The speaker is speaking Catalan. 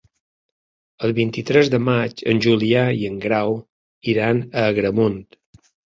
El vint-i-tres de maig en Julià i en Grau iran a Agramunt.